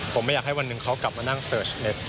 ผมไม่อยากให้วันหนึ่งเขากลับมานั่งเสิร์ชเน็ต